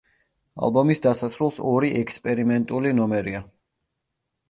ალბომის დასასრულს ორი ექსპერიმენტული ნომერია.